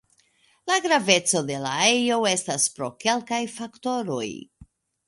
La graveco de la ejo estas pro kelkaj faktoroj.